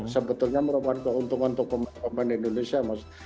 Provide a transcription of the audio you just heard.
sebetulnya merupakan keuntungan untuk pemain pemain indonesia mas